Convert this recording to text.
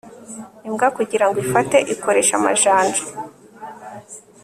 imbwa kugirago ifate ikoresha amajanja